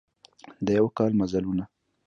د یوه کال مزلونه